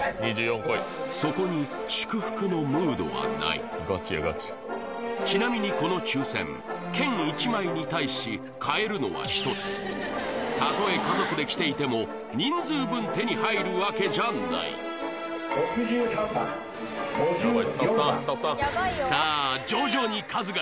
そこに祝福のムードはないちなみにこの抽選券１枚に対し買えるのは１つたとえ家族で来ていても人数分手に入るわけじゃないさあ